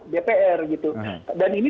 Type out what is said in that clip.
dpr gitu dan ini